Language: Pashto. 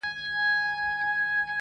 • یاره ستا خواږه کاته او که باڼه وي,